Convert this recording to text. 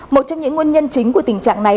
một trong những nguyên nhân chính của tình trạng này